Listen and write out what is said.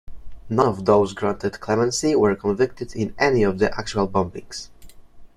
None of those granted clemency were convicted in any of the actual bombings.